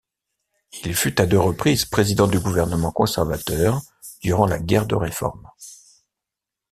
Il fut à deux reprises président du gouvernement conservateur durant la Guerre de Réforme.